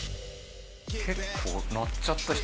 結構鳴っちゃった人。